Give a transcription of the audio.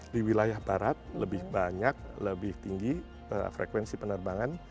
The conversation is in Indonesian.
di wilayah barat lebih banyak lebih tinggi frekuensi penerbangan